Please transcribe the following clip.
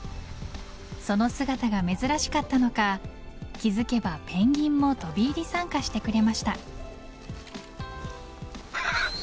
その姿が珍しかったのか気付けばペンギンも飛び入り参加してくれました。